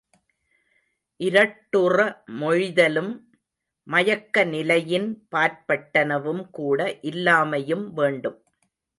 இரட்டுற மொழிதலும், மயக்க நிலையின் பாற்பட்டனவும் கூட இல்லாமையும் வேண்டும்.